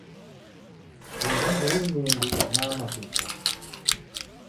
Funga mburi mindi nama kuikame